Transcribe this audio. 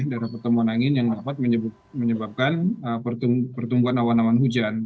daerah pertemuan angin yang dapat menyebabkan pertumbuhan awan awan hujan